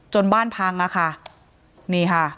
จนบ้านพังแล้วค่ะนี่ค่ะ